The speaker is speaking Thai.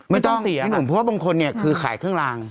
ไม่ต้องเสียค่ะเพราะบางคนเนี่ยคือขายเครื่องลาง